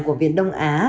của viện đông á